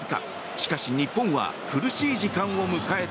しかし、日本は苦しい時間を迎えた。